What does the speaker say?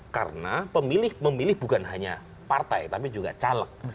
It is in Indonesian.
karena pemilih memilih bukan hanya partai tapi juga caleg